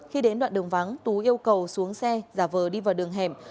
khi đến đoạn đường vắng tú yêu cầu xuống xe giả vờ đi vào đường hẻm